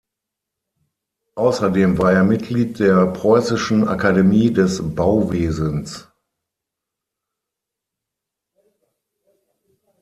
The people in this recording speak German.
Außerdem war er Mitglied der Preußischen Akademie des Bauwesens.